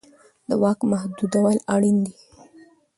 د واک محدودول اړین دي